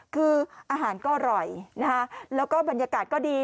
คืออาหารก็อร่อยนะคะแล้วก็บรรยากาศก็ดี